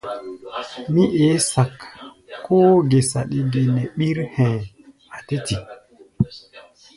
Mí eé sak, kóó gé saɗi ge nɛ ɓír hɛ̧ɛ̧, a̧ tɛ́ tik.